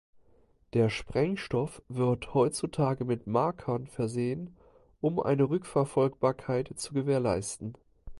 Der Sprengstoff wird heutzutage mit Markern versehen, um eine Rückverfolgbarkeit zu gewährleisten.